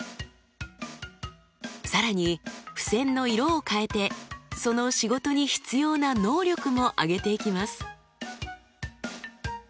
更に付箋の色を変えてその仕事に必要な能力も挙げていきます。